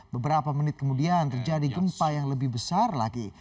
beberapa menit kemudian terjadi gempa yang lebih besar lagi